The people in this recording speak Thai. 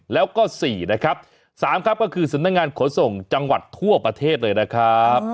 แล้วก็๔นะครับ๓ครับก็คือสำนักงานขนส่งจังหวัดทั่วประเทศเลยนะครับ